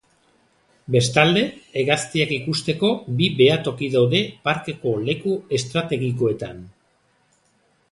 Bestalde, hegaztiak ikusteko bi behatoki daude parkeko leku estrategikoetan.